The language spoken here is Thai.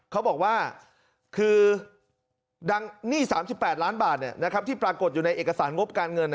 เขาบอกว่าคือดังหนี้๓๘ล้านบาทที่ปรากฏอยู่ในเอกสารงบการเงิน